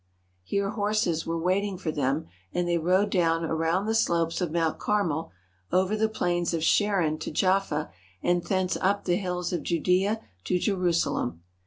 Here horses were waiting for them and they rode down around the slopes of Mount Carmel, over the plains of Sharon to Jaffa, and thence up the hills of Judea to Jerusalem.